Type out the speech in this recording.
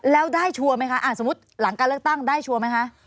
แล้วได้ชัวร์ไหมคะสมมุติหลังการเลือกตั้งได้ชัวร์ไหมคะ